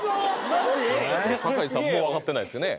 マジ⁉酒井さんも分かってないですよね？